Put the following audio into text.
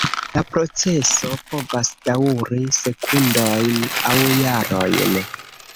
La proceso povas daŭri sekundojn aŭ jarojn.